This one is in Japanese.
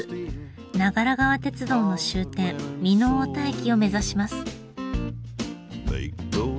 長良川鉄道の終点美濃太田駅を目指します。